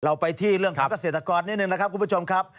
เราไปที่เรื่องของเกษตรกรนิดนึงนะครับคุณผู้ชมครับ